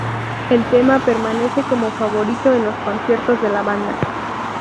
El tema permanece como favorito en los conciertos de la banda.